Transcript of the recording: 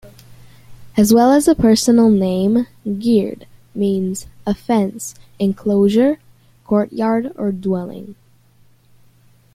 As well as a personal name, "geard" means 'a fence, enclosure, courtyard or dwelling'.